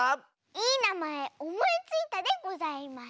いいなまえおもいついたでございます。